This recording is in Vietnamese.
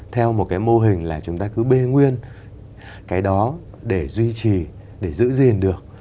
theo một cái mô hình là chúng ta cứ bê nguyên cái đó để duy trì để giữ gìn được